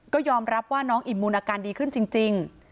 ก็ยอมรับว่าน้องอิ่มมุนอาการดีขึ้นจริง